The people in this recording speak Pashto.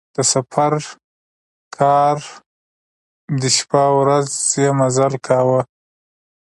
د سفر کار دی شپه او ورځ یې مزل کاوه.